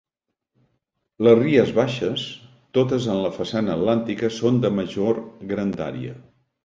Les Ries Baixes, totes en la façana atlàntica, són de major grandària.